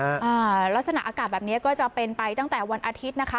อ่าลักษณะอากาศแบบเนี้ยก็จะเป็นไปตั้งแต่วันอาทิตย์นะคะ